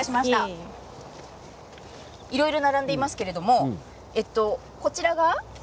いろいろ並んでいますけれどもこちらは？